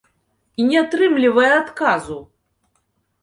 І не атрымлівае адказу!